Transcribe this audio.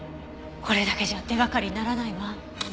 これだけじゃ手掛かりにならないわ。